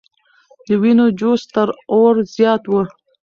د وینو جوش تر اور زیات و.